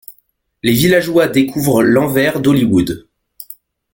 Les villageois découvrent l'envers d'Hollywood.